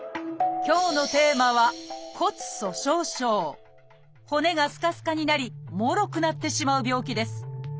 今日のテーマは骨がすかすかになりもろくなってしまう病気です。